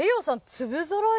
粒ぞろい